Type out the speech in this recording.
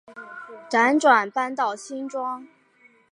辗转搬到新庄